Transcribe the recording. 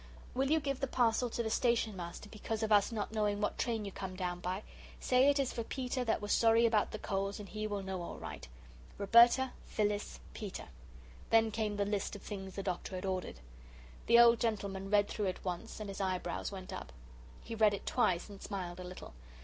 "Will you give the parsel to the Station Master, because of us not knowing what train you come down by? Say it is for Peter that was sorry about the coals and he will know all right. "Roberta. "Phyllis. "Peter." Then came the list of things the Doctor had ordered. The old gentleman read it through once, and his eyebrows went up. He read it twice and smiled a little.